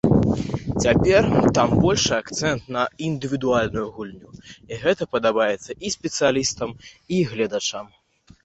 Цяпер там большы акцэнт на індывідуальную гульню, і гэта падабаецца і спецыялістам, і гледачам.